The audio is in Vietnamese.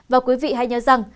và quý vị hãy nhớ rằng